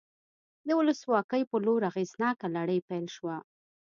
د ولسواکۍ په لور اغېزناکه لړۍ پیل شوه.